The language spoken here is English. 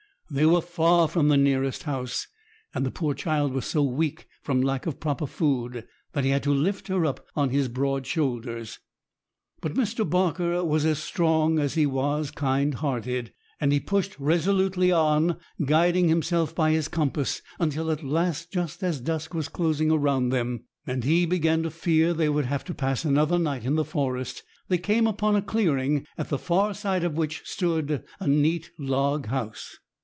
They were far from the nearest house, and the poor child was so weak from lack of proper food that he had to lift her up on his broad shoulders. But Mr. Barker was as strong as he was kind hearted, and he pushed resolutely on, guiding himself by his compass, until at last, just as dusk was closing around them, and he began to fear they would have to pass another night in the forest, they came upon a clearing, at the far side of which stood a neat log house.